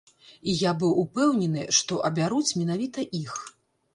І я быў упэўнены, што абяруць менавіта іх.